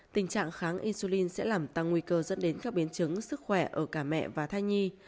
tình trạng kháng insulin sẽ làm tăng nguy cơ dẫn đến các biến chứng sức khỏe ở cả mẹ và thai nhi